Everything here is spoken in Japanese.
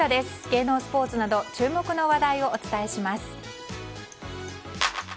芸能スポーツなど注目の話題をお伝えします。